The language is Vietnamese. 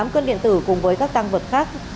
tám cân điện tử cùng với các tăng vật khác